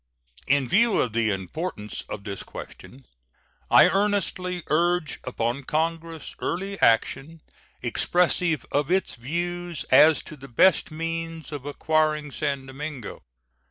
In view of the importance of this question, I earnestly urge upon Congress early action expressive of its views as to the best means of acquiring San Domingo.